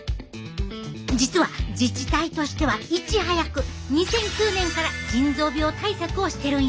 実は自治体としてはいち早く２００９年から腎臓病対策をしてるんや。